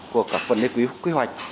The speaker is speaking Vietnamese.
của các vấn đề quy hoạch